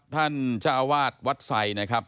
ท่านเจ้าวาดวัดไสร์นะครับ